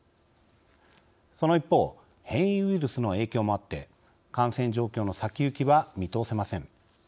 その一方変異ウイルスの影響もあって感染状況の先行きは見通せません。